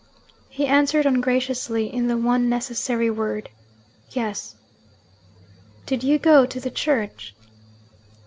He answered ungraciously in the one necessary word: 'Yes.' 'Did you go to the church?'